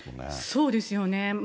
そうですよね。